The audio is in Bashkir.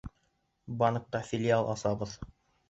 Банкта филиал асабыҙ.